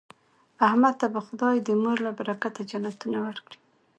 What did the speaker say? احمد ته به خدای د مور له برکته جنتونه ورکړي.